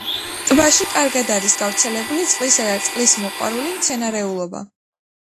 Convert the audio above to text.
ტბაში კარგად არის გავრცელებული წყლისა და წყლის მოყვარული მცენარეულობა.